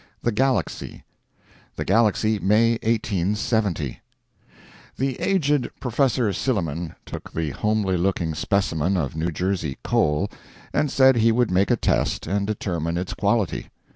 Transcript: THE GALAXY THE GALAXY, May 1870 The aged Professor Silliman took the homely looking specimen of New Jersey coal, and said he would make a test and determine its quality.